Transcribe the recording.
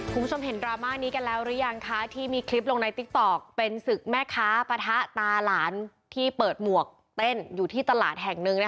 คุณผู้ชมเห็นดราม่านี้กันแล้วหรือยังคะที่มีคลิปลงในติ๊กต๊อกเป็นศึกแม่ค้าปะทะตาหลานที่เปิดหมวกเต้นอยู่ที่ตลาดแห่งหนึ่ง